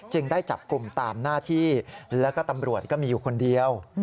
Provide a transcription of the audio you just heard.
ได้จับกลุ่มตามหน้าที่แล้วก็ตำรวจก็มีอยู่คนเดียว